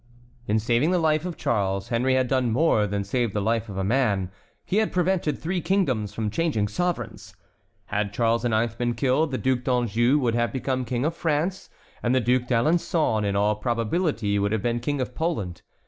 In saving the life of Charles, Henry had done more than save the life of a man,—he had prevented three kingdoms from changing sovereigns. Had Charles IX. been killed, the Duc d'Anjou would have become King of France, and the Duc d'Alençon in all probability would have been King of Poland.